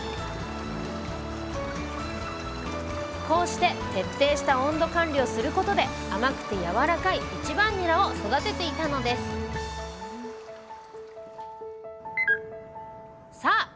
こうして徹底した温度管理をすることで甘くてやわらかい１番ニラを育てていたのですさあ！